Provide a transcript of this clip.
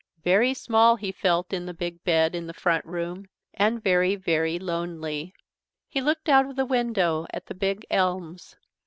Very small he felt in the big bed in the front room, and very, very lonely. He looked out of the window at the big elms.